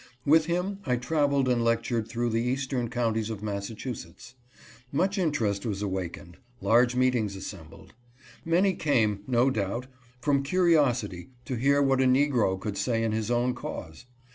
With him I traveled and lectured through the eastern counties of Massachusetts. Much interest was awakened — large meetings assembled. Many came, no doubt from curiosity to hear what a negro could say in his own cause.